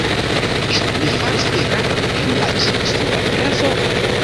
Ĉu mi faris eraron en la ĉi suba frazo?